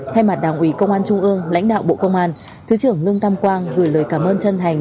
thay mặt đảng ủy công an trung ương lãnh đạo bộ công an thứ trưởng lương tam quang gửi lời cảm ơn chân thành